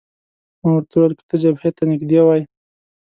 ما ورته وویل: که ته جبهې ته نږدې وای.